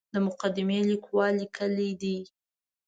د مقدمې لیکوال لیکلي دي.